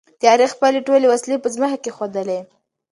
تیارې خپلې ټولې وسلې په ځمکه کېښودلې.